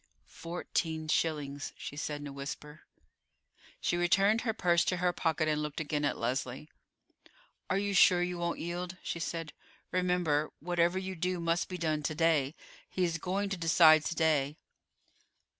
"Fourteen shillings," she said in a whisper. She returned her purse to her pocket, and looked again at Leslie. "Are you sure you won't yield?" she said. "Remember, whatever you do must be done to day; he is going to decide to day."